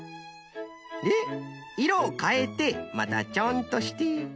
でいろをかえてまたチョンとして。